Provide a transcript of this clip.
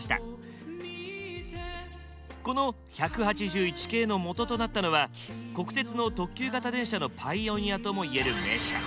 この１８１系のもととなったのは国鉄の特急形電車のパイオニアともいえる名車。